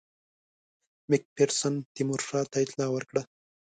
مک فیرسن تیمورشاه ته اطلاع ورکړه.